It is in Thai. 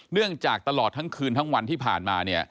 เนื่องจากตลอดทั้งคืนทั้งวันที่ผ่านมาเนี่ย